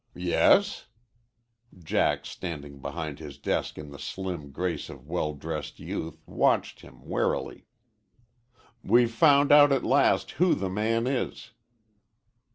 "Yes?" Jack, standing behind his desk in the slim grace of well dressed youth, watched him warily. "We've found out at last who the man is."